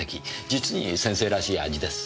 実に先生らしい味です。